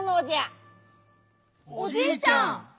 おじいちゃん！